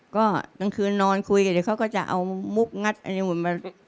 ก็กลางคืนนอนคุยกันเดี๋ยวเขาก็จะเอามุกงัดอันนี้หุ่นมา